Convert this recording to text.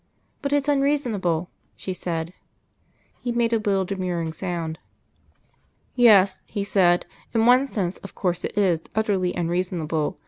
"But it's unreasonable," she said. He made a little demurring sound. "Yes," he said, "in one sense, of course it is utterly unreasonable.